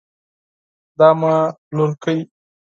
دا مې لورکۍ